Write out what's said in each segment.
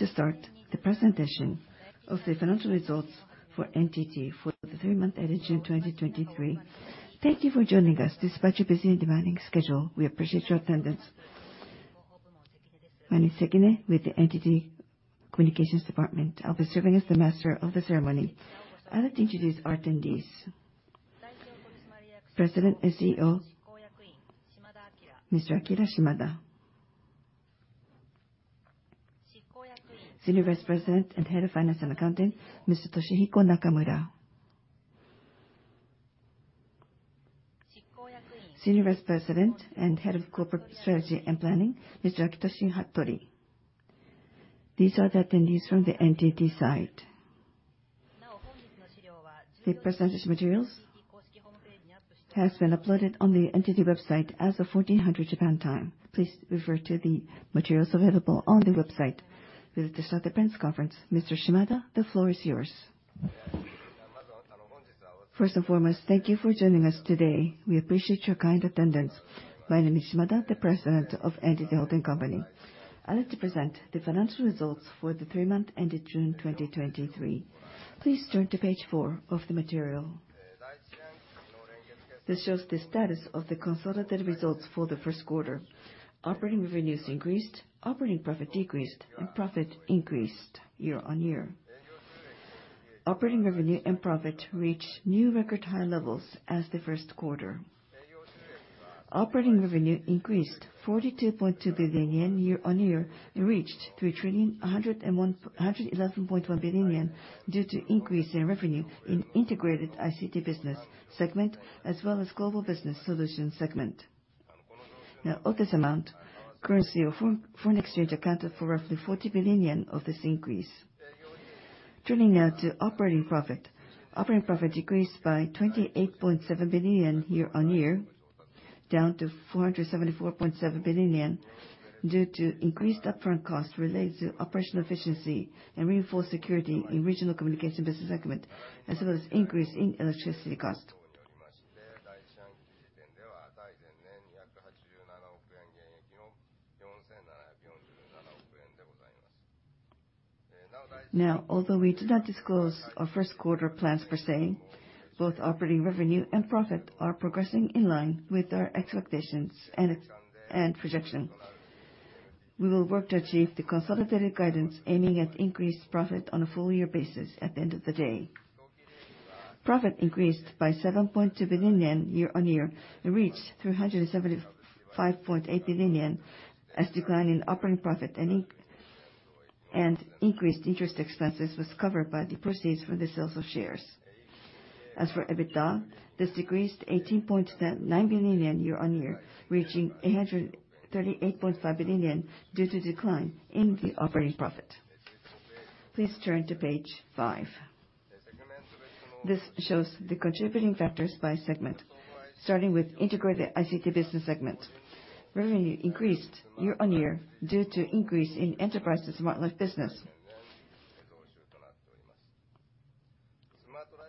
I would now like to start the presentation of the financial results for NTT for the 3-month ending June 2023. Thank you for joining us despite your busy and demanding schedule. We appreciate your attendance. My name is Sekine, with the NTT Communications Department. I'll be serving as the master of the ceremony. I'd like to introduce our attendees. President and CEO, Mr. Akira Shimada. Senior Vice President and Head of Finance and Accounting, Mr. Toshihiko Nakamura. Senior Vice President and Head of Corporate Strategy and Planning, Mr. Akitoshi Hattori. These are the attendees from the NTT side. The percentage materials has been uploaded on the NTT website as of 14:00 Japan time. Please refer to the materials available on the website. Let us start the press conference. Mr. Shimada, the floor is yours. First and foremost, thank you for joining us today. We appreciate your kind attendance. My name is Shimada, the President of NTT Holding Company. I'd like to present the financial results for the 3 months ending June 2023. Please turn to page 4 of the material. This shows the status of the consolidated results for the first quarter. Operating revenues increased, operating profit decreased, and profit increased year-on-year. Operating revenue and profit reached new record high levels as the first quarter. Operating revenue increased 42.2 billion yen year-on-year, and reached 3,111.1 billion yen, due to increase in revenue in Integrated ICT Business segment, as well as Global Solutions Business segment. Now, of this amount, currency or foreign exchange accounted for roughly 40 billion yen of this increase. Turning now to operating profit. Operating profit decreased by 28.7 billion yen year-on-year, down to 474.7 billion yen, due to increased upfront costs related to operational efficiency and reinforced security in Regional Communications Business segment, as well as increase in electricity cost. Although we did not disclose our first quarter plans per se, both operating revenue and profit are progressing in line with our expectations and projections. We will work to achieve the consolidated guidance aiming at increased profit on a full-year basis at the end of the day. Profit increased by 7.2 billion yen year-on-year, and reached 375.8 billion yen, as decline in operating profit and increased interest expenses was covered by the proceeds from the sales of shares. As for EBITDA, this decreased 18.9 billion yen year-on-year, reaching 838.5 billion yen, due to decline in the operating profit. Please turn to page 5. This shows the contributing factors by segment, starting with Integrated ICT Business segment. Revenue increased year-on-year due to increase in enterprise and Smart Life business.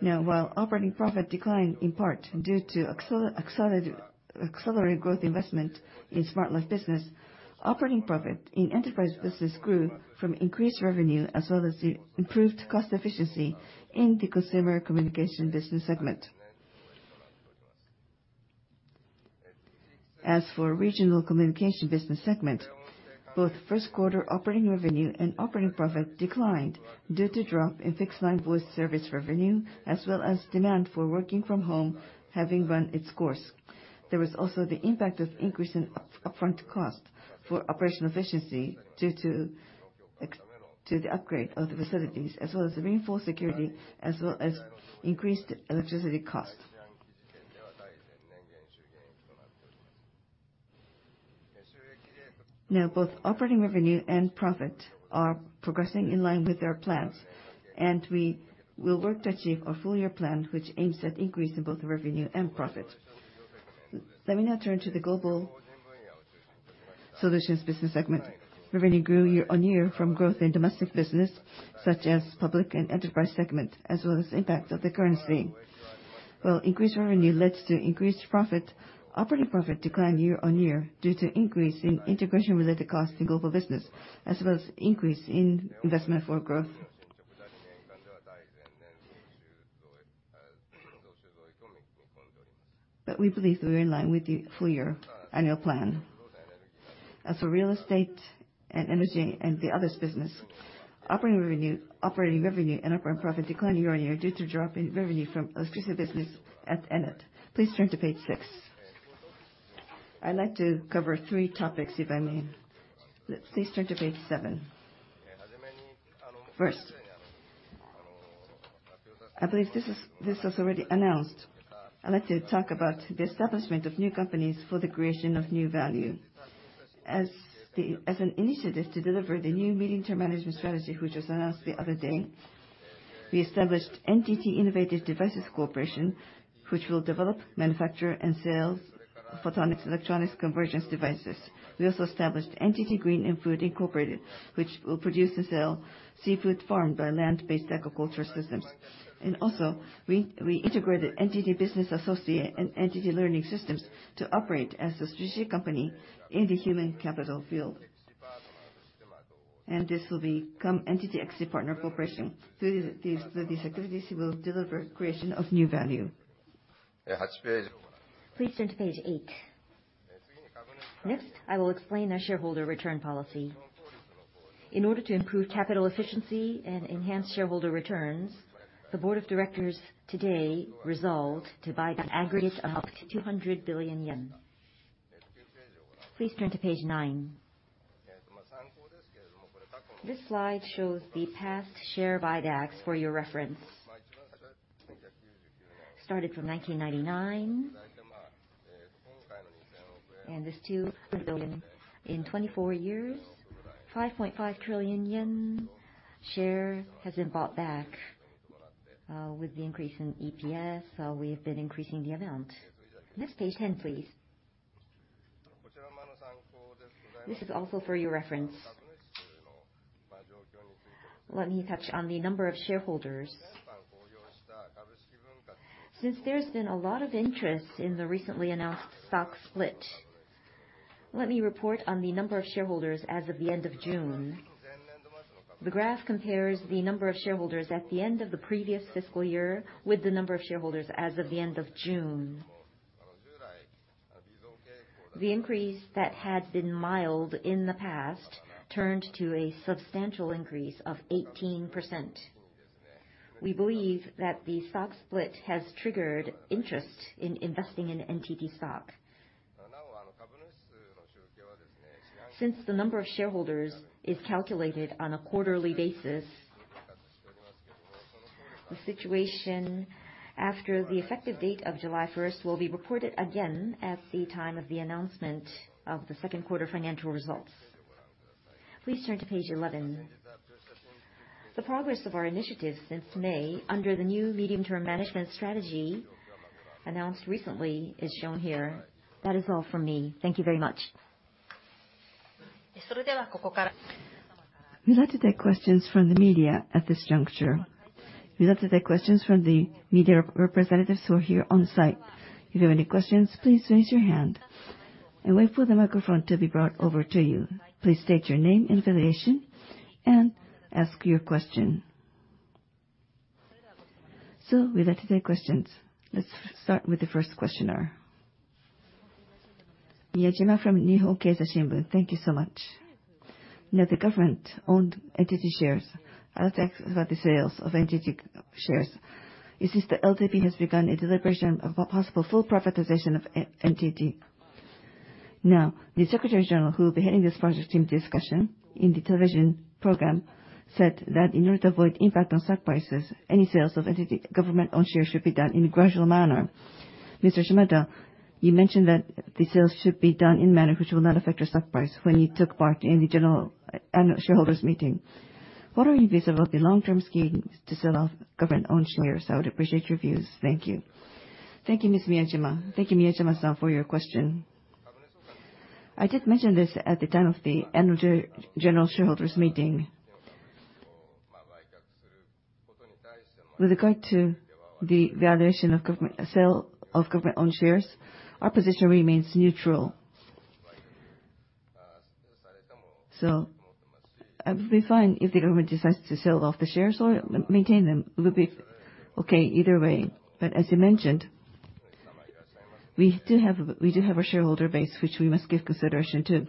While operating profit declined in part due to accelerated growth investment in Smart Life business, operating profit in enterprise business grew from increased revenue, as well as the improved cost efficiency in the Consumer Communications Business segment. As for Regional Communications Business segment, both first quarter operating revenue and operating profit declined due to drop in fixed-line voice service revenue, as well as demand for working from home having run its course. There was also the impact of increase in upfront cost for operational efficiency due to the upgrade of the facilities, as well as reinforced security, as well as increased electricity costs. Both operating revenue and profit are progressing in line with our plans, and we will work to achieve our full-year plan, which aims at increase in both revenue and profit. Let me now turn to the Global Solutions Business segment. Revenue grew year-on-year from growth in domestic business, such as public and enterprise segment, as well as impact of the currency. While increased revenue led to increased profit, operating profit declined year-on-year due to increase in integration-related costs in global business, as well as increase in investment for growth. We believe we are in line with the full-year annual plan. As for real estate and energy and the others business, operating revenue, operating revenue and operating profit declined year-on-year due to drop in revenue from exclusive business at Ennet. Please turn to page 6. I'd like to cover 3 topics, if I may. Please turn to page 7. First, I believe this is, this was already announced. I'd like to talk about the establishment of new companies for the creation of new value. As an initiative to deliver the new medium-term management strategy, which was announced the other day, we established NTT Innovative Devices Corporation, which will develop, manufacture, and sell photonics-electronics convergence devices. We also established NTT Green and Food Incorporated, which will produce and sell seafood farmed by land-based aquaculture systems. Also, we integrated NTT Business Associe and NTT Learning Systems to operate as a strategic company in the human capital field.... This will become NTT DX partner corporation. Through these, through these activities, we will deliver creation of new value. Please turn to page 8. Next, I will explain our shareholder return policy. In order to improve capital efficiency and enhance shareholder returns, the board of directors today resolved to buy an aggregate of up to 200 billion yen. Please turn to page 9. This slide shows the past share buybacks for your reference. Started from 1999, and this JPY 2 billion. In 24 years, 5.5 trillion yen share has been bought back, with the increase in EPS, so we've been increasing the amount. Next, page 10, please. This is also for your reference. Let me touch on the number of shareholders. Since there's been a lot of interest in the recently announced stock split, let me report on the number of shareholders as of the end of June. The graph compares the number of shareholders at the end of the previous fiscal year with the number of shareholders as of the end of June. The increase that had been mild in the past turned to a substantial increase of 18%. We believe that the stock split has triggered interest in investing in NTT stock. Since the number of shareholders is calculated on a quarterly basis, the situation after the effective date of July first will be reported again at the time of the announcement of the second quarter financial results. Please turn to page 11. The progress of our initiatives since May, under the new medium-term management strategy announced recently, is shown here. That is all from me. Thank you very much. We'd like to take questions from the media at this juncture. We'd like to take questions from the media representatives who are here on site. If you have any questions, please raise your hand and wait for the microphone to be brought over to you. Please state your name and affiliation, and ask your question. We'd like to take questions. Let's start with the first questioner. Miyajima from Nihon Keizai Shimbun. Thank you so much. The government-owned NTT shares, I'd like to ask about the sales of NTT shares. It seems the LDP has begun a deliberation of a possible full privatization of NTT. The Secretary General, who will be heading this project team discussion in the television program, said that in order to avoid impact on stock prices, any sales of NTT government-owned shares should be done in a gradual manner. Mr. Shimada, you mentioned that the sales should be done in a manner which will not affect our stock price when you took part in the general annual shareholders meeting. What are your views about the long-term scheme to sell off government-owned shares? I would appreciate your views. Thank you. Thank you, Ms. Miyajima. Thank you, Miyajima-san, for your question. I did mention this at the time of the annual general shareholders meeting. With regard to the valuation of government, sale of government-owned shares, our position remains neutral. It would be fine if the government decides to sell off the shares or maintain them. It would be okay either way. As you mentioned, we do have, we do have a shareholder base which we must give consideration to.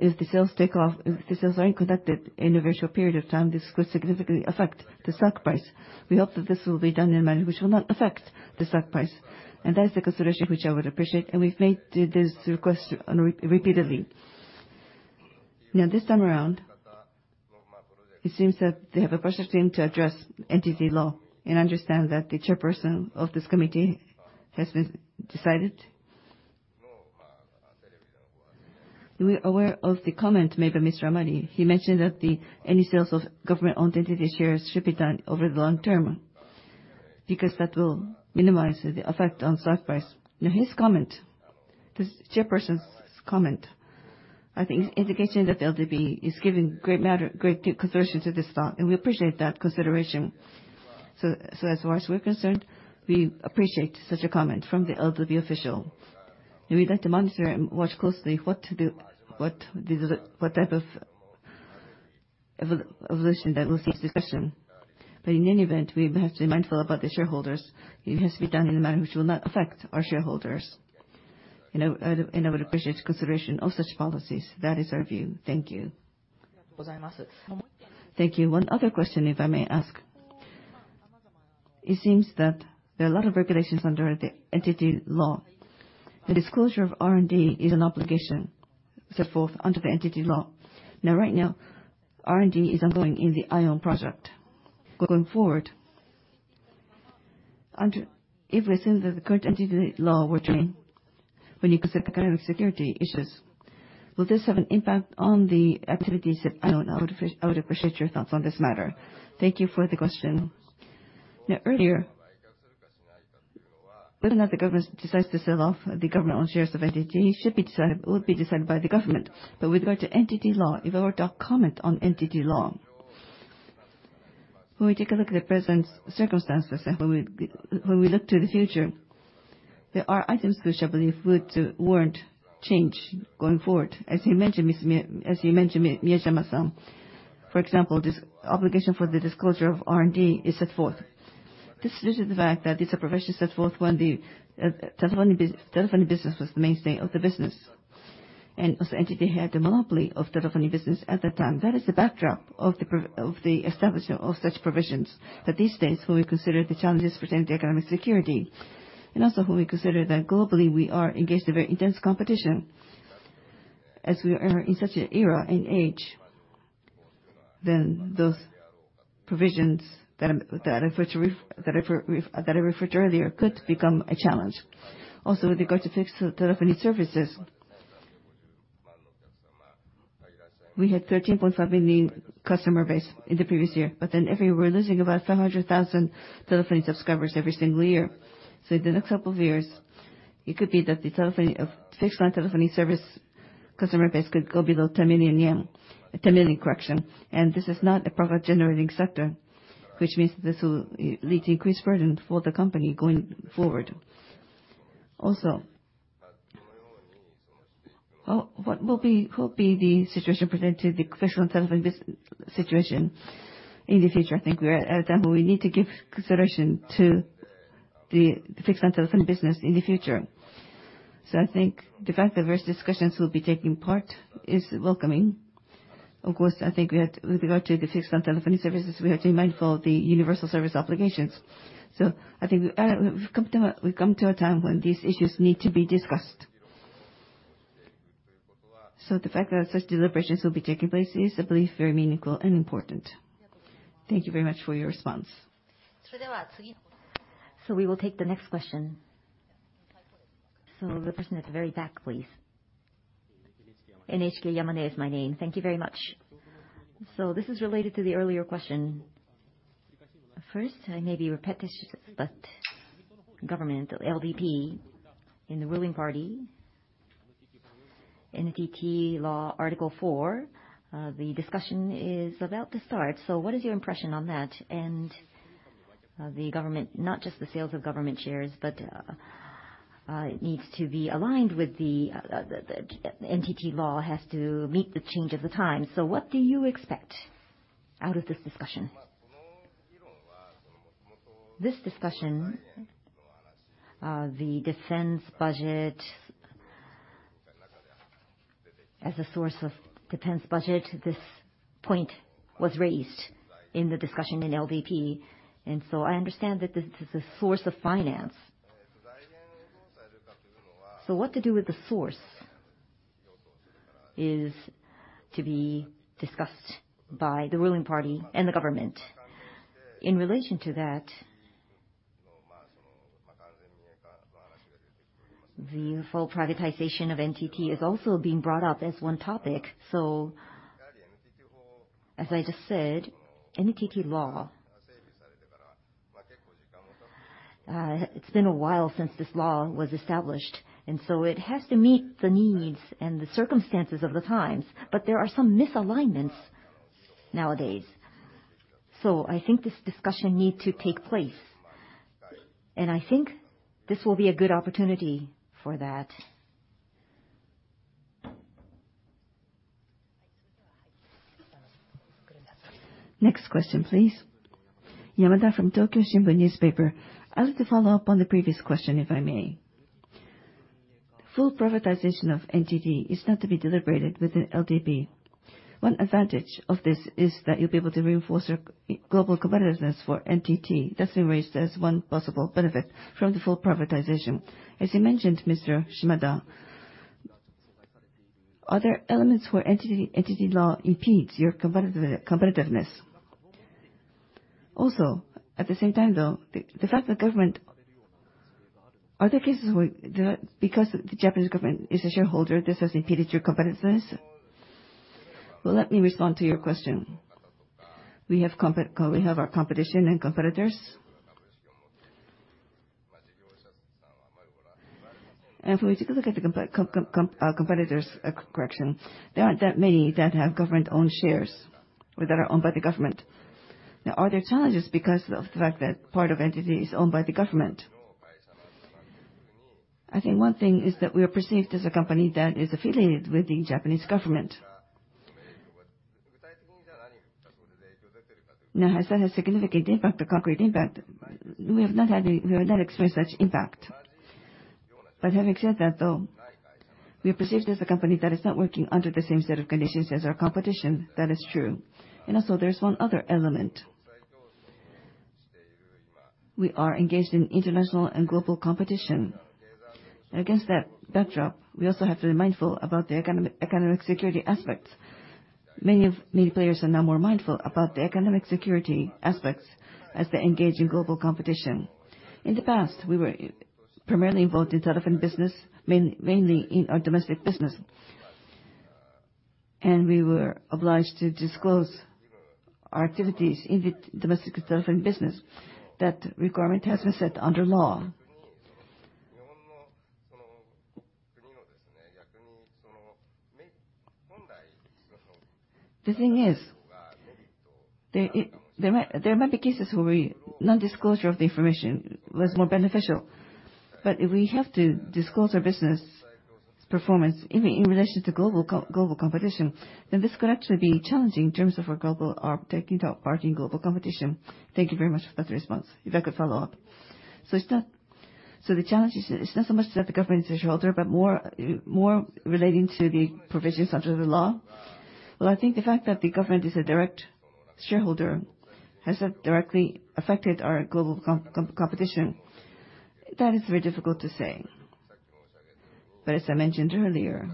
If the sales take off, if the sales are conducted in a virtual period of time, this could significantly affect the stock price. We hope that this will be done in a manner which will not affect the stock price, and that is the consideration which I would appreciate, and we've made this request repeatedly. This time around, it seems that they have a project team to address NTT Law, and understand that the chairperson of this committee has been decided. We're aware of the comment made by Mr. Amari. He mentioned that any sales of government-owned NTT shares should be done over the long term, because that will minimize the effect on stock price. His comment, this chairperson's comment, I think, indicates that the LDP is giving great matter, great consideration to this stock, and we appreciate that consideration. As far as we're concerned, we appreciate such a comment from the LDP official, and we'd like to monitor and watch closely what to do, what the, what type of evolution that will face discussion. In any event, we have to be mindful about the shareholders. It has to be done in a manner which will not affect our shareholders. You know, I would appreciate consideration of such policies. That is our view. Thank you. Thank you. One other question, if I may ask: It seems that there are a lot of regulations under the NTT law. The disclosure of R&D is an obligation set forth under the NTT law. Right now, R&D is ongoing in the IOWN project. Going forward, under... if we assume that the current NTT law were changed, when you consider economic security issues, will this have an impact on the activities of IOWN? I would appreciate your thoughts on this matter. Thank you for the question. Earlier, whether or not the government decides to sell off the government-owned shares of NTT should be decided, will be decided by the government. With regard to NTT law, if I were to comment on NTT law. When we take a look at the present circumstances, and when we, when we look to the future, there are items which I believe would warrant change going forward. As you mentioned, as you mentioned, Miyajima-san, for example, this obligation for the disclosure of R&D is set forth. This is due to the fact that these are provisions set forth when the telephony business was the mainstay of the business, and also NTT had the monopoly of telephony business at that time. That is the backdrop of the establishment of such provisions. These days, when we consider the challenges presenting the economic security, and also when we consider that globally, we are engaged in very intense competition, as we are in such an era and age, then those provisions that I, that I referred to earlier, could become a challenge. With regard to fixed telephony services, we had 13.5 million customer base in the previous year, but then every year, we're losing about 700,000 telephony subscribers every single year. In the next couple of years, it could be that the telephony of, fixed-line telephony service customer base could go below 10 million yen. 10 million, correction. This is not a profit-generating sector, which means this will lead to increased burden for the company going forward. Also, what will be, what will be the situation presented, the fixed-line telephony situation in the future? I think we are, as example, we need to give consideration to the, the fixed-line telephony business in the future. I think the fact that various discussions will be taking part is welcoming. Of course, I think we had, with regard to the fixed-line telephony services, we have to be mindful of the universal service obligations. I think, we've come to a, we've come to a time when these issues need to be discussed. The fact that such deliberations will be taking place is, I believe, very meaningful and important. Thank you very much for your response. We will take the next question. The person at the very back, please. NHK, Yamane is my name. Thank you very much. This is related to the earlier question. First, I may be repetitive, but government, LDP, in the ruling party, NTT law, Article 4, the discussion is about to start. What is your impression on that? The government, not just the sales of government shares, but it needs to be aligned with the NTT law has to meet the change of the times. What do you expect out of this discussion? This discussion, the defense budget, as a source of defense budget, this point was raised in the discussion in LDP. I understand that this is a source of finance. What to do with the source is to be discussed by the ruling party and the government. In relation to that, the full privatization of NTT is also being brought up as one topic. As I just said, NTT Law, it's been a while since this law was established. It has to meet the needs and the circumstances of the times, but there are some misalignments nowadays. I think this discussion need to take place, and I think this will be a good opportunity for that. Next question, please. Yamada from The Tokyo Shimbun. I'd like to follow up on the previous question, if I may. Full privatization of NTT is not to be deliberated within LDP. One advantage of this is that you'll be able to reinforce your global competitiveness for NTT. That's been raised as one possible benefit from the full privatization. As you mentioned, Mr. Shimada, are there elements where NTT, NTT Law impedes your competitiveness? Also, at the same time, though, the fact the government... Are there cases where the, because the Japanese government is a shareholder, this has impeded your competitiveness? Well, let me respond to your question. We have our competition and competitors. If we take a look at the competitors, correction, there aren't that many that have government-owned shares or that are owned by the government. Are there challenges because of the fact that part of NTT is owned by the government? I think one thing is that we are perceived as a company that is affiliated with the Japanese government. Has that a significant impact or concrete impact? We have not had any, we have not experienced such impact. Having said that, though, we are perceived as a company that is not working under the same set of conditions as our competition. That is true. Also, there's one other element. We are engaged in international and global competition. Against that backdrop, we also have to be mindful about the economic security aspects. Many players are now more mindful about the economic security aspects as they engage in global competition. In the past, we were primarily involved in telephony business, mainly in our domestic business, and we were obliged to disclose our activities in the domestic telephony business. That requirement has been set under law. The thing is, there might be cases where we non-disclosure of the information was more beneficial, but if we have to disclose our business performance in relation to global competition, then this could actually be challenging in terms of our global, our taking part in global competition. Thank you very much for that response. If I could follow up. It's not, so the challenge is, it's not so much that the government is a shareholder, but more, more relating to the provisions under the law? Well, I think the fact that the government is a direct shareholder, has that directly affected our global competition? That is very difficult to say. As I mentioned earlier,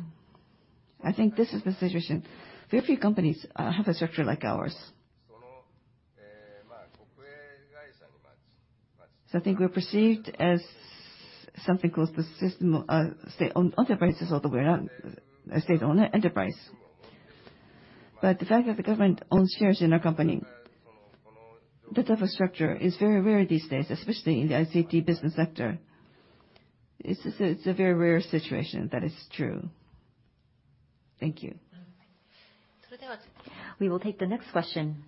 I think this is the situation: very few companies have a structure like ours. I think we're perceived as something close to state-owned enterprise, although we're not a state-owned enterprise. The fact that the government owns shares in our company, that type of structure is very rare these days, especially in the ICT business sector. It's a very rare situation. That is true. Thank you. We will take the next question.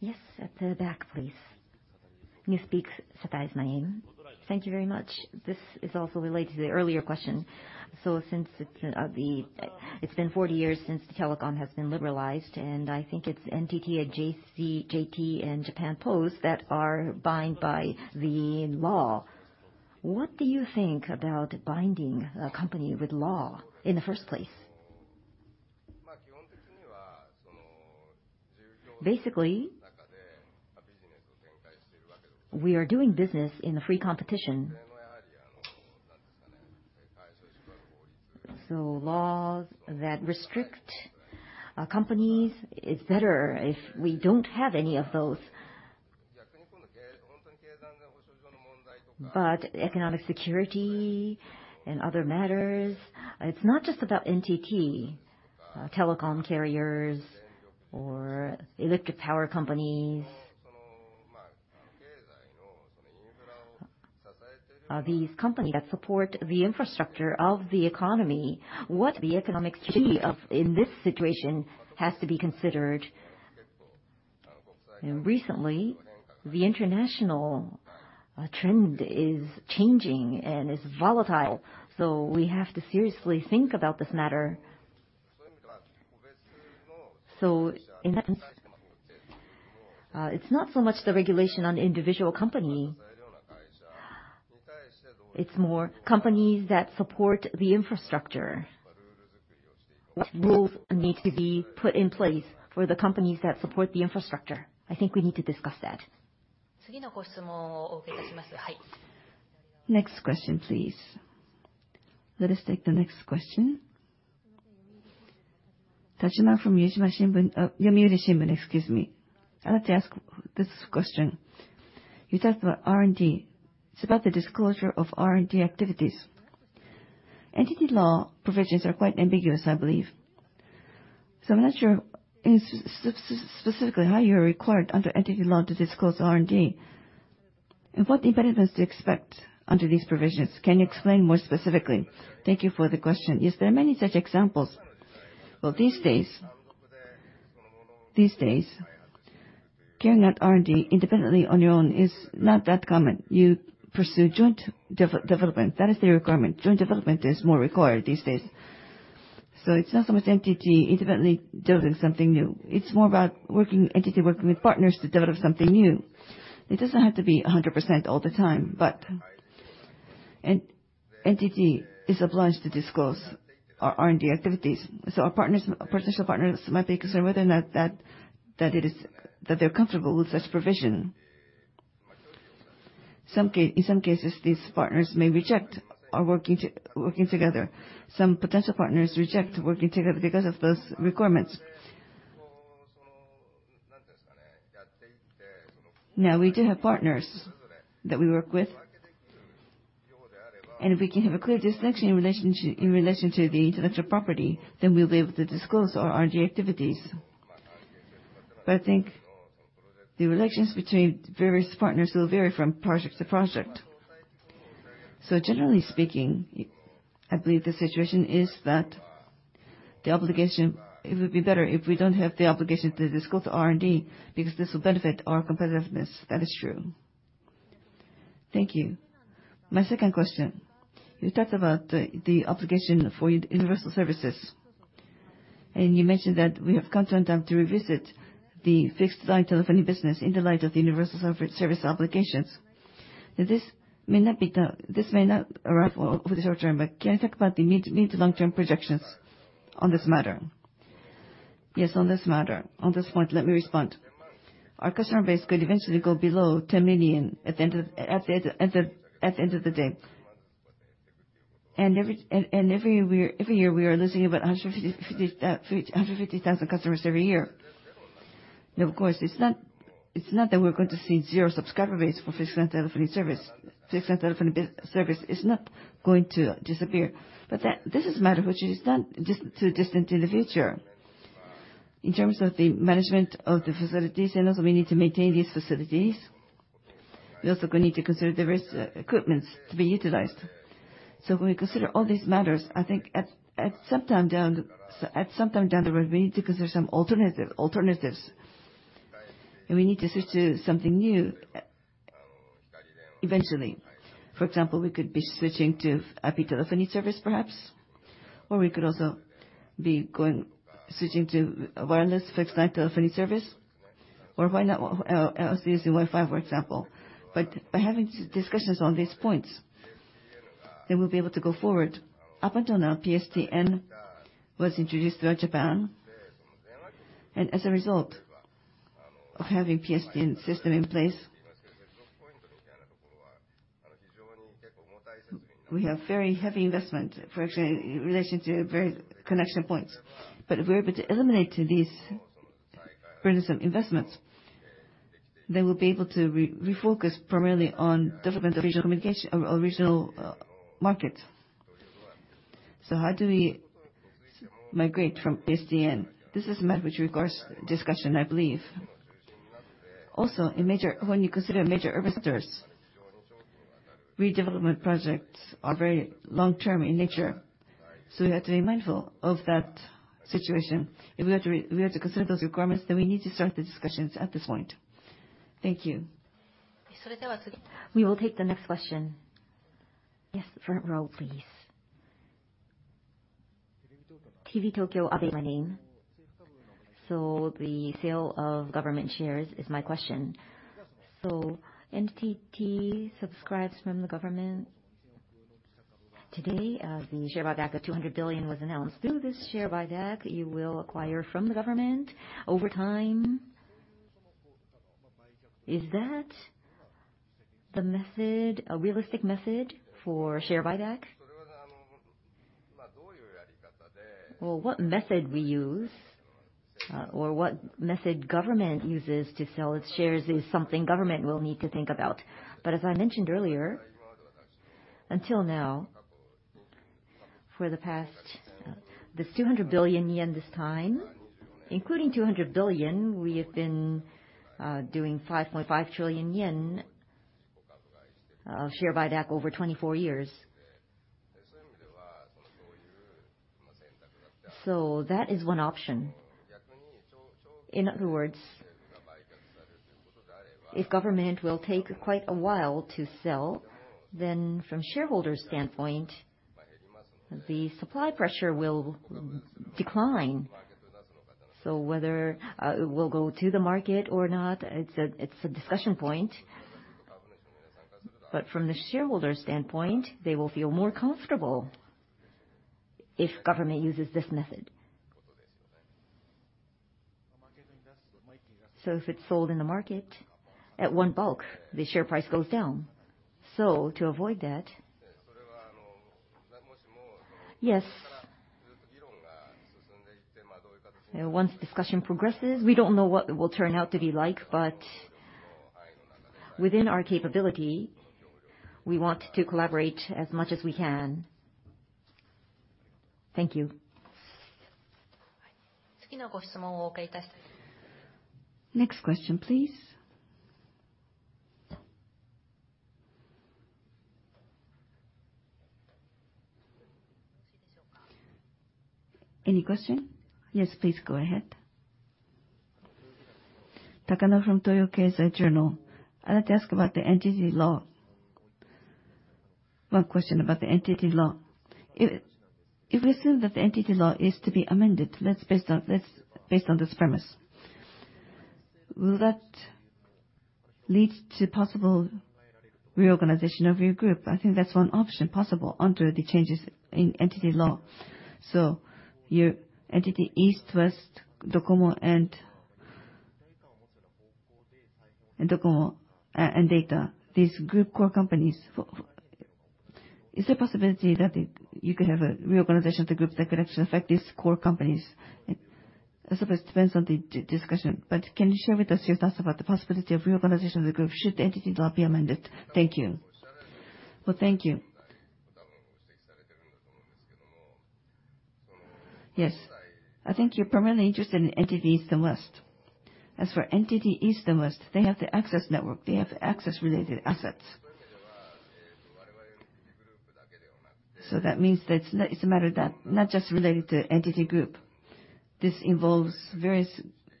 Yes, at the back, please. Sato is my name. Thank you very much. This is also related to the earlier question. Since it's been 40 years since telecom has been liberalized, I think it's NTT, JT, JT, and Japan Post that are bound by the law. What do you think about binding a company with law in the first place? Basically, we are doing business in a free competition. Laws that restrict companies, it's better if we don't have any of those. Economic security and other matters, it's not just about NTT, telecom carriers or electric power companies. These companies that support the infrastructure of the economy, what the economic security of, in this situation, has to be considered. Recently, the international trend is changing and is volatile, so we have to seriously think about this matter. In that sense, it's not so much the regulation on the individual company, it's more companies that support the infrastructure. What rules need to be put in place for the companies that support the infrastructure? I think we need to discuss that. Next question, please. Let us take the next question. Tajima from Yomiuri Shimbun, Yomiuri Shimbun, excuse me. I'd like to ask this question. You talked about R&D. It's about the disclosure of R&D activities. NTT law provisions are quite ambiguous, I believe. I'm not sure in specifically how you are required under NTT law to disclose R&D, and what impediments do you expect under these provisions? Can you explain more specifically? Thank you for the question. Yes, there are many such examples. Well, these days, these days, carrying out R&D independently on your own is not that common. You pursue joint development. That is the requirement. Joint development is more required these days. It's not so much NTT independently developing something new. It's more about working, NTT working with partners to develop something new. It doesn't have to be 100% all the time, NTT is obliged to disclose our R&D activities. Our partners, potential partners might be concerned whether or not they're comfortable with such provision. In some cases, these partners may reject our working together. Some potential partners reject working together because of those requirements. Now, we do have partners that we work with. If we can have a clear distinction in relationship, in relation to the intellectual property, then we'll be able to disclose our R&D activities. I think the relations between various partners will vary from project to project. Generally speaking, I believe the situation is that the obligation, it would be better if we don't have the obligation to disclose the R&D, because this will benefit our competitiveness. That is true. Thank you. My second question: you talked about the obligation for universal service, and you mentioned that we have come to an end to revisit the fixed-line telephony business in the light of the universal service obligations. This may not arrive over the short term, but can you talk about the mid to long-term projections on this matter? Yes, on this matter, on this point, let me respond. Our customer base could eventually go below 10 million at the end of the day. Every year, every year, we are losing about 150,000 customers every year. Now, of course, it's not that we're going to see 0 subscriber base for fixed-line telephony service. Fixed-line telephony service is not going to disappear, but that, this is a matter which is not too distant in the future. In terms of the management of the facilities, and also we need to maintain these facilities, we also going to need to consider various equipments to be utilized. When we consider all these matters, I think at some time down the road, we need to consider some alternative, alternatives, and we need to switch to something new eventually. For example, we could be switching to IP telephony service perhaps, or we could also be switching to a wireless fixed-line telephony service, or why not else using Wi-Fi, for example? By having discussions on these points, then we'll be able to go forward. Up until now, PSTN was introduced throughout Japan. As a result of having PSTN system in place, we have very heavy investment for actually in relation to various connection points. If we're able to eliminate these burdensome investments, then we'll be able to refocus primarily on development of regional communication or regional markets. How do we migrate from PSTN? This is a matter which requires discussion, I believe. Also, in major, when you consider major urban centers, redevelopment projects are very long-term in nature, so we have to be mindful of that situation. If we are to consider those requirements, then we need to start the discussions at this point. Thank you. We will take the next question. Yes, front row, please. TV Tokyo, Abe my name. The sale of government shares is my question. NTT subscribes from the government. Today, the share buyback of JPY 200 billion was announced. Through this share buyback, you will acquire from the government over time. Is that the method, a realistic method for share buyback? Well, what method we use, or what method government uses to sell its shares is something government will need to think about. As I mentioned earlier, until now, for the past, this 200 billion yen this time, including 200 billion, we have been doing 5.5 trillion yen of share buyback over 24 years. That is one option. In other words, if government will take quite a while to sell, then from shareholders' standpoint, the supply pressure will decline. Whether we'll go to the market or not, it's a, it's a discussion point. From the shareholders' standpoint, they will feel more comfortable if government uses this method. If it's sold in the market at one bulk, the share price goes down. To avoid that... Yes. Once discussion progresses, we don't know what it will turn out to be like. Within our capability, we want to collaborate as much as we can. Thank you. Next question, please. Any question? Yes, please go ahead. Takano from Toyo Keizai journal. I'd like to ask about the NTT Law. One question about the NTT Law. If we assume that the NTT Law is to be amended, let's based on this premise, will that lead to possible reorganization of your group? I think that's one option possible under the changes in NTT Law. Your NTT East, West, Docomo, and Data, these group core companies, is there a possibility that you could have a reorganization of the group that could actually affect these core companies? I suppose it depends on the discussion, but can you share with us your thoughts about the possibility of reorganization of the group should the NTT Law be amended? Thank you. Well, thank you. Yes, I think you're primarily interested in NTT East and West. As for NTT East and West, they have the access network, they have the access-related assets. That means that it's a matter that not just related to NTT group, this involves various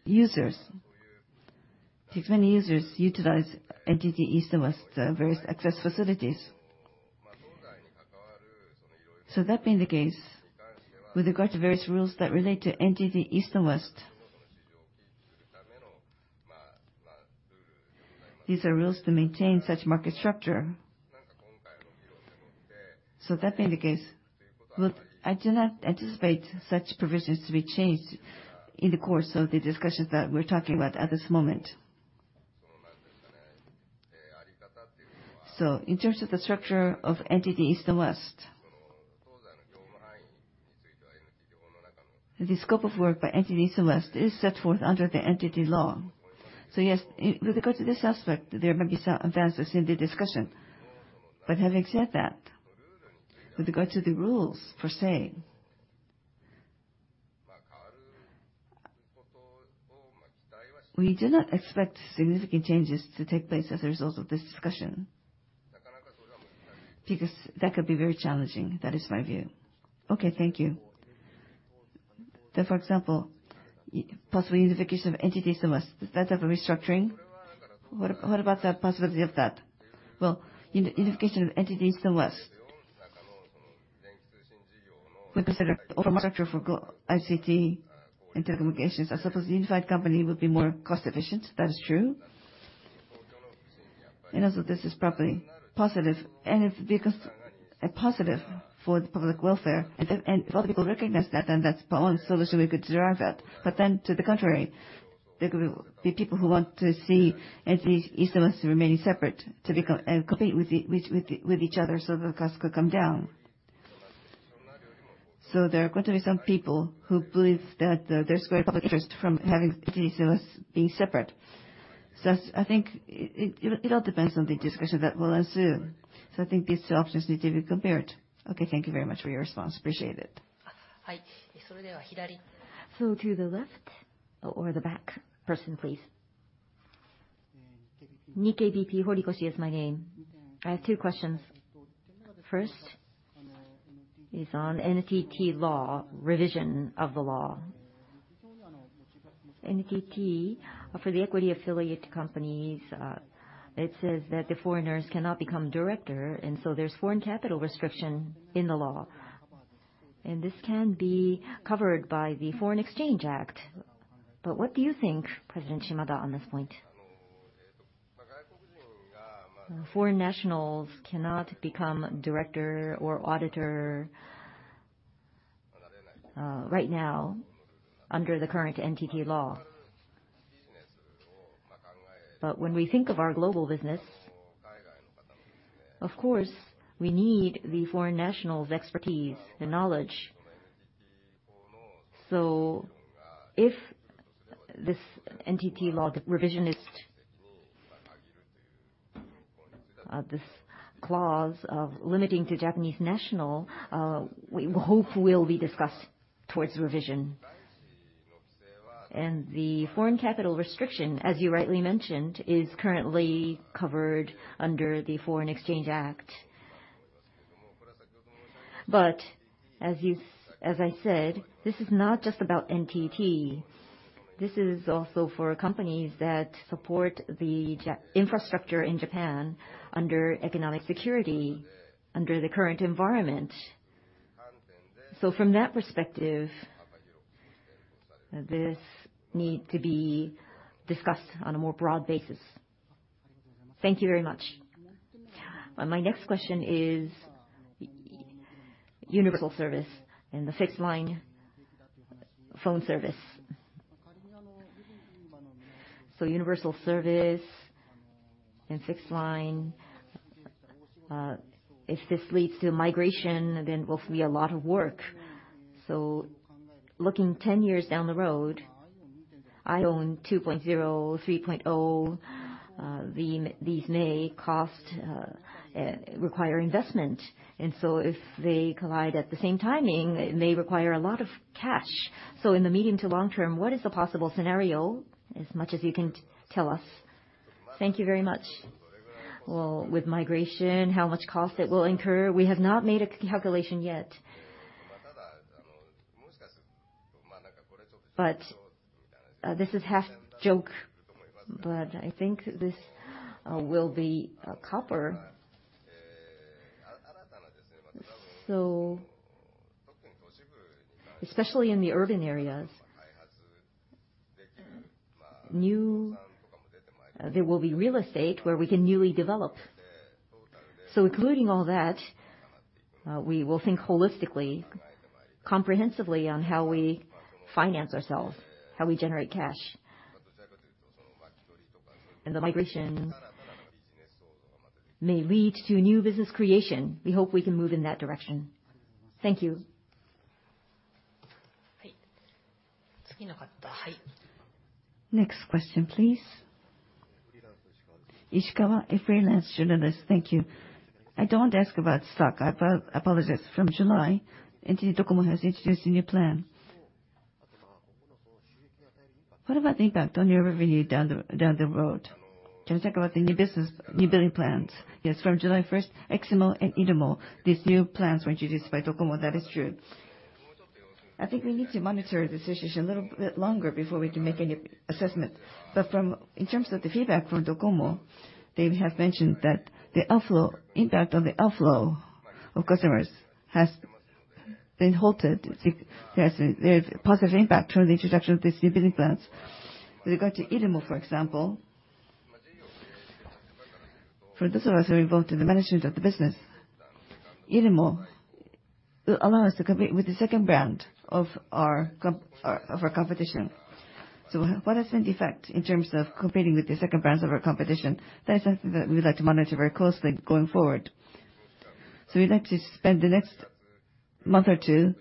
users. Because many users utilize NTT East and West, various access facilities. That being the case, with regard to various rules that relate to NTT East and West, these are rules to maintain such market structure. That being the case, well, I do not anticipate such provisions to be changed in the course of the discussions that we're talking about at this moment. In terms of the structure of NTT East and West, the scope of work by NTT East and West is set forth under the NTT law. Yes, in, with regard to this aspect, there may be some advances in the discussion. Having said that, with regard to the rules per se. We do not expect significant changes to take place as a result of this discussion, because that could be very challenging. That is my view. Okay, thank you. For example, possible unification of NTT East and West, is that type of restructuring? What, what about the possibility of that? Well, in the unification of NTT East and West, we consider infrastructure for ICT and telecommunications. I suppose the unified company would be more cost efficient, that is true. Also, this is probably positive, and it's because a positive for the public welfare. If all people recognize that, then that's the only solution we could derive that. To the contrary, there could be people who want to see NTT East and West remaining separate, to become, compete with the, with, with, with each other, so the costs could come down. There are going to be some people who believe that, their square public interest from having NTT East and West being separate. I think it all depends on the discussion that will ensue. I think these two options need to be compared. Thank you very much for your response. Appreciate it. To the left or the back person, please. Nikkei BP, Horikoshi is my name. I have two questions. First, is on NTT Law, revision of the law. NTT, for the equity affiliate companies, it says that the foreigners cannot become director, and so there's foreign capital restriction in the law. This can be covered by the Foreign Exchange and Foreign Trade Act. What do you think, President Shimada, on this point? Foreign nationals cannot become director or auditor right now under the current NTT law. When we think of our global business, of course, we need the foreign nationals' expertise and knowledge. If this NTT law, the revisionist, this clause of limiting to Japanese national, we hope will be discussed towards revision. The foreign capital restriction, as you rightly mentioned, is currently covered under the Foreign Exchange Act. As you, as I said, this is not just about NTT. This is also for companies that support the infrastructure in Japan under economic security, under the current environment. From that perspective, this need to be discussed on a more broad basis. Thank you very much. My next question is universal service and the fixed line phone service. universal service and fixed line, if this leads to migration, then it will be a lot of work. Looking 10 years down the road, IOWN 2.0, 3.0, these may cost, require investment. If they collide at the same timing, it may require a lot of cash. In the medium to long term, what is the possible scenario, as much as you can tell us? Thank you very much. Well, with migration, how much cost it will incur? We have not made a calculation yet. This is half joke, but I think this will be copper. Especially in the urban areas, new, there will be real estate where we can newly develop. Including all that, we will think holistically, comprehensively on how we finance ourselves, how we generate cash. The migration may lead to new business creation. We hope we can move in that direction. Thank you. Next question, please. Ishikawa, a freelance journalist. Thank you. I don't want to ask about stock. I apologize. From July, NTT DOCOMO has introduced a new plan. What about the impact on your revenue down the road? Can you talk about the new business, new billing plans? Yes, from July first, eximo and irumo, these new plans were introduced by Docomo. That is true. I think we need to monitor the situation a little bit longer before we can make any assessment. In terms of the feedback from Docomo, they have mentioned that the outflow impact on the outflow of customers has been halted. There's positive impact from the introduction of these new business plans. With regard to irumo, for example, for those of us who are involved in the management of the business, irumo will allow us to compete with the second brand of our competition. What has been the effect in terms of competing with the second brands of our competition? That's something that we would like to monitor very closely going forward. We'd like to spend the next month or 2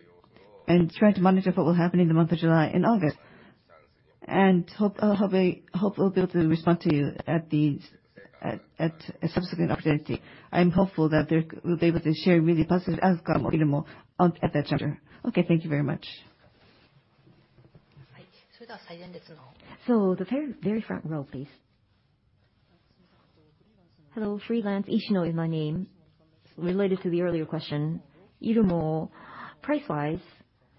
and try to monitor what will happen in the month of July and August, and hope, hope, hope we'll be able to respond to you at a subsequent opportunity. I'm hopeful that we'll be able to share really positive outcome, or even more, at that chapter. Okay, thank you very much. The very, very front row, please. Hello, Freelance Ishino is my name. Related to the earlier question, irumo, price-wise,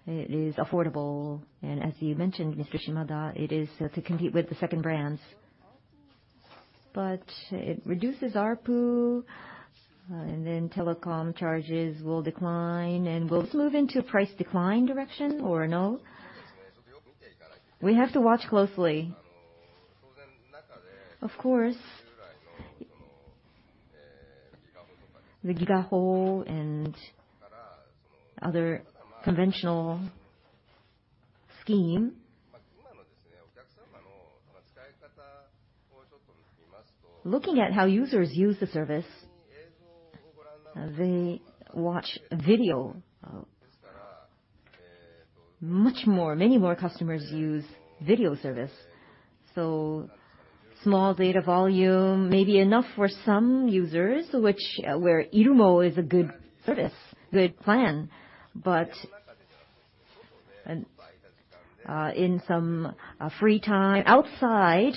it is affordable, and as you mentioned, Mr. Shimada, it is to compete with the second brands. It reduces ARPU, and then telecom charges will decline, and will this move into a price decline direction or no? We have to watch closely. Of course, the Gigaho and other conventional scheme. Looking at how users use the service, they watch video, much more, many more customers use video service. Small data volume may be enough for some users, which, where irumo is a good service, good plan. In some, free time outside,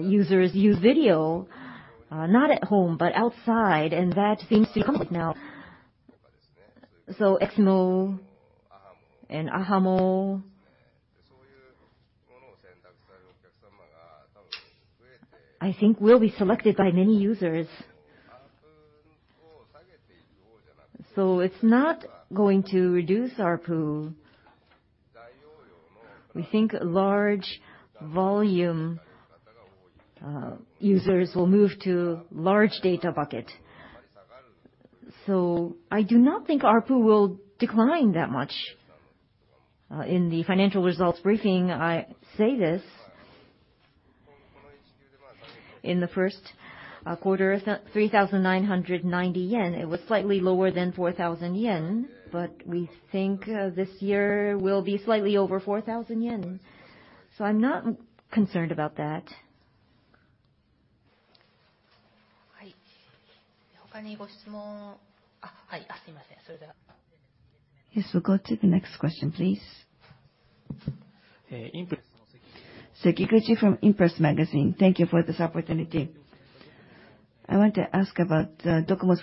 users use video, not at home, but outside, and that seems to be common now. eximo and ahamo, I think will be selected by many users. It's not going to reduce ARPU. We think large volume, users will move to large data bucket. I do not think ARPU will decline that much. In the financial results briefing, I say this, in the first quarter, 3,990 yen, it was slightly lower than 4,000 yen. We think this year will be slightly over 4,000 yen. I'm not concerned about that. Yes, we'll go to the next question, please. Sekiguchi from Impress Magazine. Thank you for this opportunity. I want to ask about DOCOMO's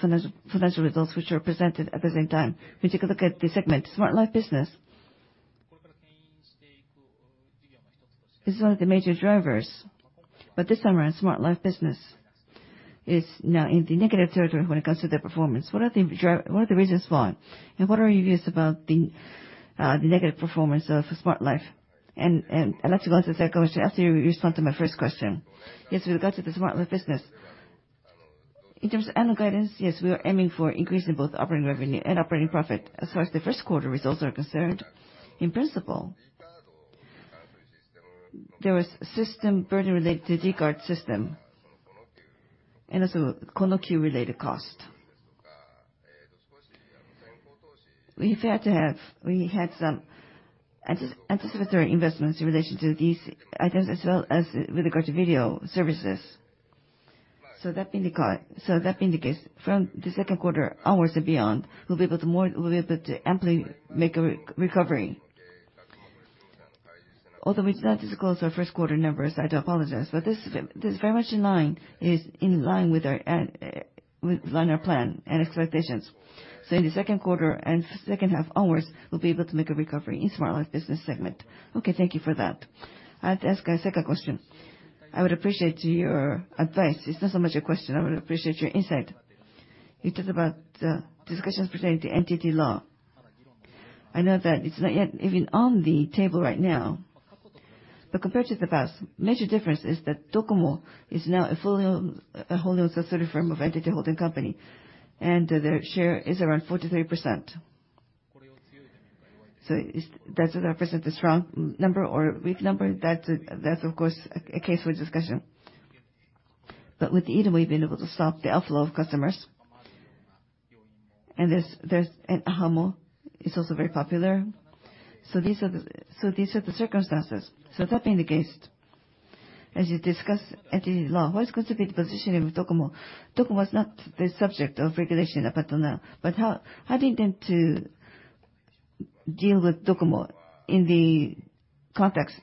financial results, which are presented at the same time. If you take a look at the segment, Smart Life business. This is one of the major drivers. This time around, Smart Life business is now in the negative territory when it comes to their performance. What are the reasons why? What are your views about the negative performance of Smart Life? I'd like to go into that question after you respond to my first question. Yes, with regard to the Smart Life business, in terms of annual guidance, yes, we are aiming for increase in both operating revenue and operating profit. As far as the first quarter results are concerned, in principle, there was system burden related to d CARD system and also Konoki related cost. We've had to have, we had some anticipatory investments in relation to these items, as well as with regard to video services. That indicates from the second quarter onwards and beyond, we'll be able to more, we'll be able to amply make a recovery. Although it's not disclosed our first quarter numbers, I do apologize, but this, this is very much in line, is in line with our plan and expectations. In the second quarter and second half onwards, we'll be able to make a recovery in Smart Life business segment. Thank you for that. I have to ask a second question. I would appreciate your advice. It's not so much a question, I would appreciate your insight. You talked about discussions pertaining to NTT Law. I know that it's not yet even on the table right now, but compared to the past, major difference is that DOCOMO is now a wholly-owned subsidiary firm of NTT holding company, and their share is around 43%. Does that represent a strong number or weak number? That's of course a case for discussion. With irumo, we've been able to stop the outflow of customers. There's, and ahamo is also very popular. These are the circumstances. That being the case, as you discuss NTT Law, what is going to be the positioning of DOCOMO? DOCOMO is not the subject of regulation apart from now, How, how do you intend to deal with DOCOMO in the context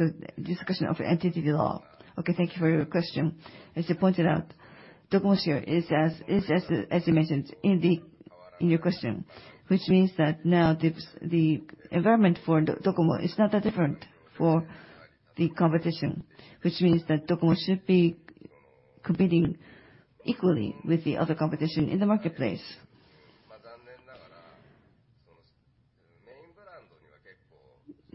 of discussion of NTT Law? Thank you for your question. As you pointed out, DOCOMO's share is as you mentioned in your question. Which means that now the environment for DOCOMO is not that different for the competition. Which means that DOCOMO should be competing equally with the other competition in the marketplace.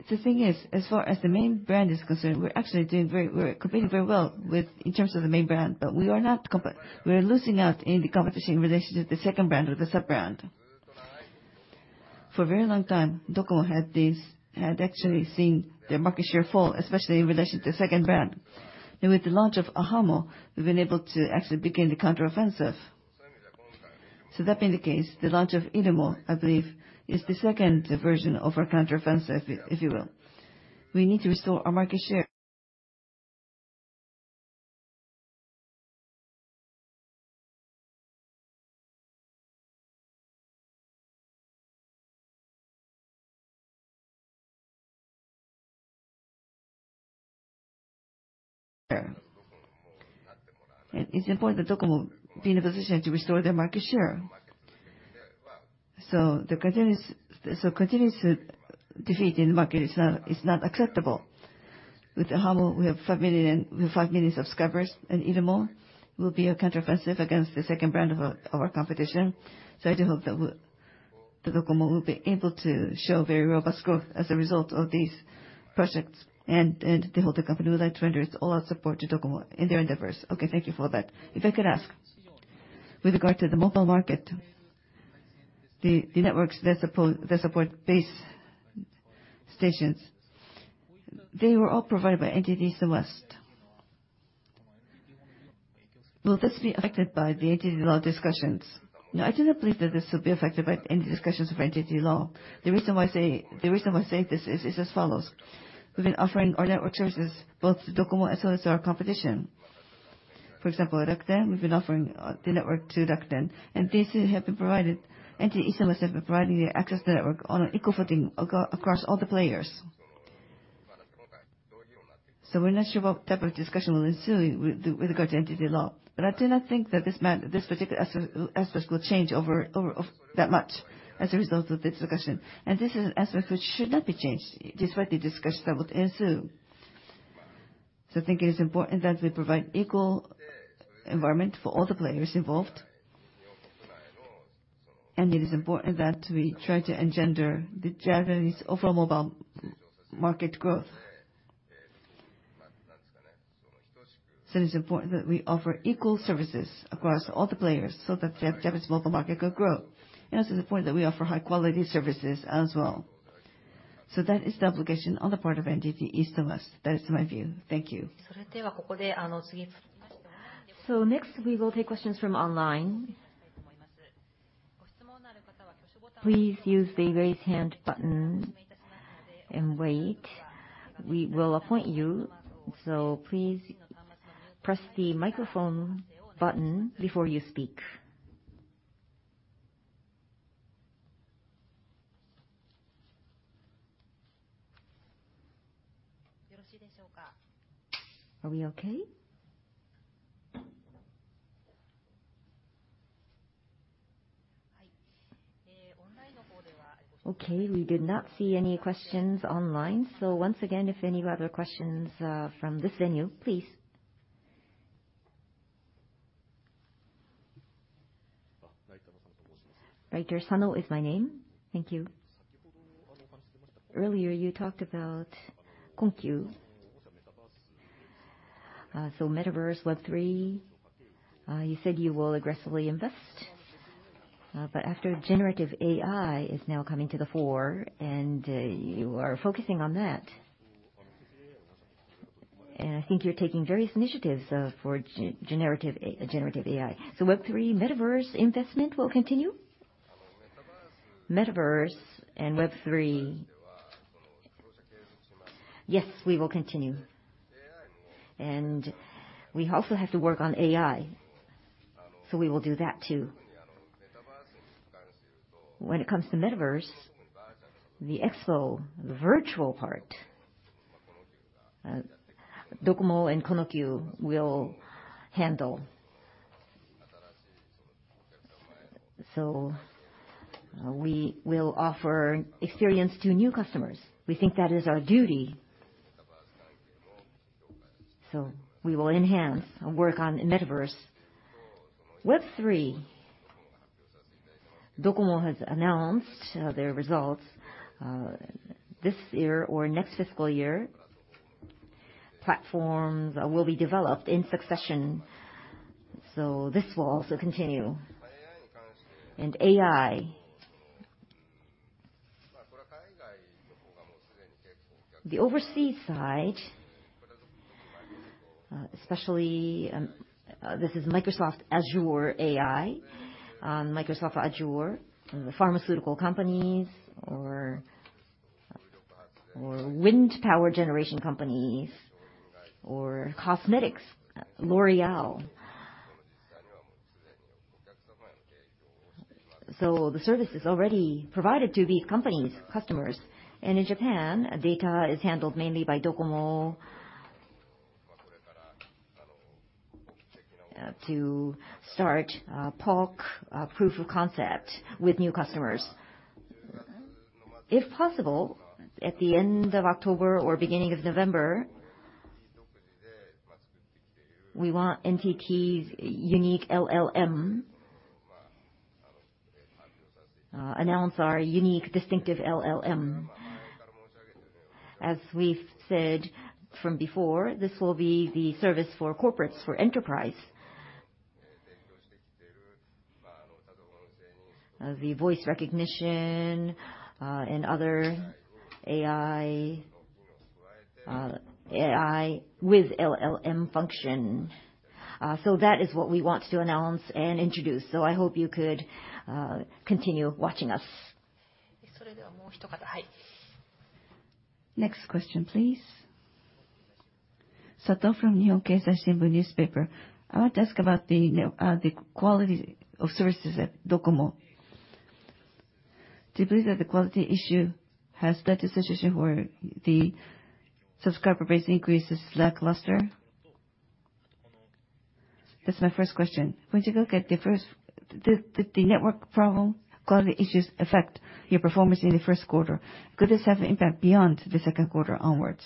The thing is, as far as the main brand is concerned, we're actually doing very, we're competing very well with, in terms of the main brand, but we are not we are losing out in the competition in relation to the second brand or the sub-brand. For a very long time, DOCOMO had this, had actually seen their market share fall, especially in relation to the second brand. With the launch of ahamo, we've been able to actually begin the counteroffensive. That being the case, the launch of irumo, I believe, is the second version of our counteroffensive, if, if you will. We need to restore our market share. It's important that DOCOMO be in a position to restore their market share. The continuous, continuous defeat in the market is not, is not acceptable. With ahamo, we have 5 million subscribers, and irumo will be a counteroffensive against the second brand of our, our competition. I do hope that DOCOMO will be able to show very robust growth as a result of these projects, and, and the holding company would like to render its all-out support to DOCOMO in their endeavors. Okay, thank you for that. If I could ask, with regard to the mobile market, the, the networks that support, that support base stations, they were all provided by NTT East and NTT West Corporation. Will this be affected by the NTT Law discussions? No, I do not believe that this will be affected by any discussions of NTT Law. The reason why I say, the reason why I say this as follows: We've been offering our network services both to DOCOMO as well as to our competition. For example, Rakuten Mobile, Inc., we've been offering the network to Rakuten Mobile, Inc., and these two have been provided. NTT East and West have been providing the access network on an equal footing across all the players. We're not sure what type of discussion will ensue with, with regard to NTT Law, but I do not think that this matter, this particular aspects will change over that much as a result of this discussion. This is an aspect which should not be changed, despite the discussions that would ensue. I think it is important that we provide equal environment for all the players involved. It is important that we try to engender the Japanese overall mobile market growth. It is important that we offer equal services across all the players, so that the Japanese mobile market could grow. Also, the point that we offer high-quality services as well. That is the obligation on the part of NTT East and West. That is my view. Thank you. Next, we will take questions from online. Please use the Raise Hand button and wait. We will appoint you, so please press the microphone button before you speak. Are we okay? Okay, we do not see any questions online. Once again, if any other questions, from this venue, please. Writer Sano is my name. Thank you. Earlier, you talked about Konkyū. Metaverse Web 3, you said you will aggressively invest. After generative AI is now coming to the fore, you are focusing on that. I think you're taking various initiatives for generative AI. Web 3 metaverse investment will continue? Metaverse and Web 3... Yes, we will continue. We also have to work on AI, so we will do that, too. When it comes to metaverse, the expo virtual part, Docomo and QONOQ will handle. We will offer experience to new customers. We think that is our duty. We will enhance and work on metaverse. Web 3, Docomo has announced their results this year or next fiscal year. Platforms will be developed in succession, so this will also continue. AI. The overseas side, especially, this is Microsoft's Azure AI, Microsoft Azure, pharmaceutical companies or, or wind power generation companies or cosmetics, L'Oréal. The service is already provided to these companies, customers. In Japan, data is handled mainly by Docomo, to start a PoC, a proof of concept, with new customers. If possible, at the end of October or beginning of November, we want NTT's unique LLM, announce our unique, distinctive LLM. As we've said from before, this will be the service for corporates, for enterprise. The voice recognition, and other AI with LLM function. So that is what we want to announce and introduce, so I hope you could continue watching us. Next question, please. Sato from Nihon Keizai Shimbun Newspaper. I want to ask about the quality of services at Docomo. Do you believe that the quality issue has led to a situation where the subscriber base increase is lackluster? That's my first question. When you look at the first, the network problem, quality issues affect your performance in the first quarter. Could this have an impact beyond the second quarter onwards?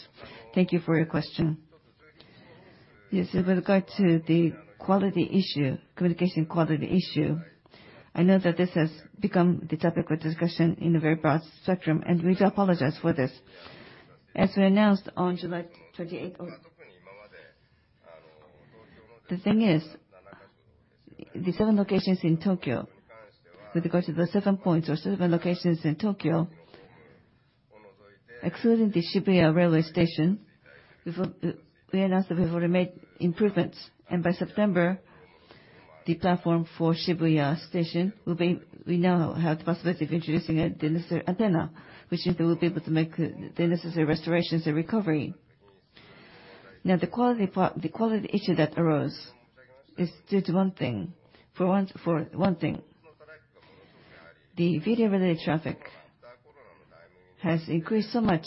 Thank you for your question. Yes, with regard to the quality issue, communication quality issue, I know that this has become the topic of discussion in a very broad spectrum, and we do apologize for this. As we announced on July 28th, the thing is, the seven locations in Tokyo, with regard to the seven points or seven locations in Tokyo, excluding the Shibuya railway station, we've, we announced that we've already made improvements. By September, the platform for Shibuya station, we now have the possibility of introducing the necessary antenna, which is, we will be able to make the necessary restorations and recovery. Now, the quality part, the quality issue that arose is due to one thing. For one, for one thing, the video-related traffic has increased so much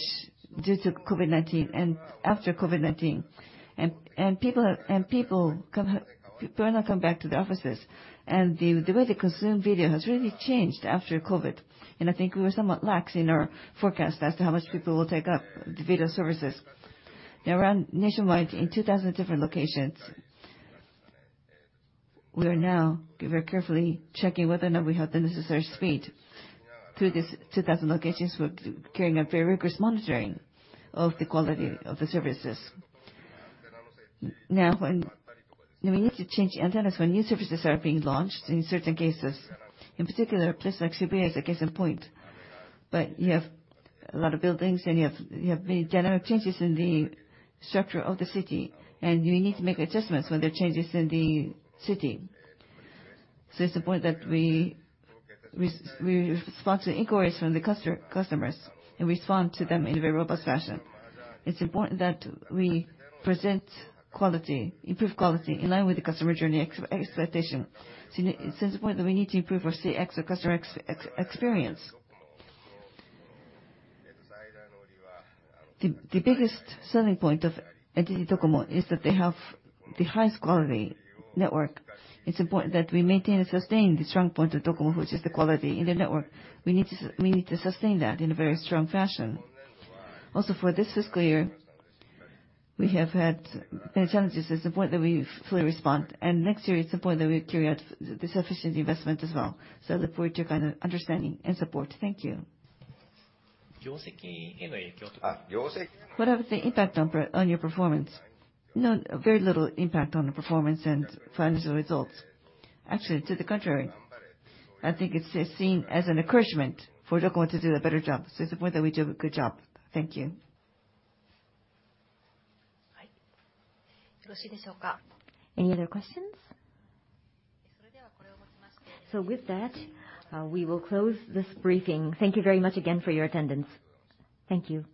due to COVID-19 and after COVID-19. People have, and people come, do not come back to the offices. The, the way they consume video has really changed after COVID, and I think we were somewhat lax in our forecast as to how much people will take up the video services. Now, around nationwide, in 2,000 different locations, we are now very carefully checking whether or not we have the necessary speed. Through these 2,000 locations, we're carrying out very rigorous monitoring of the quality of the services. Now, when, when we need to change the antennas when new services are being launched, in certain cases, in particular, a place like Shibuya is a case in point. You have a lot of buildings, and you have, you have many generic changes in the structure of the city, and you need to make adjustments when there are changes in the city. It's important that we respond to inquiries from the customer, customers, and respond to them in a very robust fashion. It's important that we present quality, improve quality in line with the customer journey expectation. It's important that we need to improve our CX, our customer experience. The biggest selling point of NTT DOCOMO is that they have the highest quality network. It's important that we maintain and sustain the strong point of DOCOMO, which is the quality in the network. We need to sustain that in a very strong fashion. For this fiscal year, we have had many challenges. It's important that we fully respond, and next year, it's important that we carry out the sufficient investment as well. I look forward to your kind understanding and support. Thank you. What was the impact on your performance? No, very little impact on the performance and financial results. Actually, to the contrary, I think it's seen as an encouragement for DOCOMO to do a better job. It's important that we do a good job. Thank you. Any other questions? With that, we will close this briefing. Thank you very much again for your attendance. Thank you.